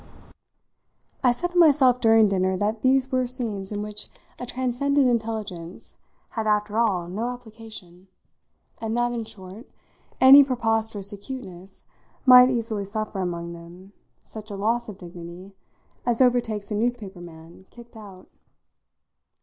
I said to myself during dinner that these were scenes in which a transcendent intelligence had after all no application, and that, in short, any preposterous acuteness might easily suffer among them such a loss of dignity as overtakes the newspaper man kicked out.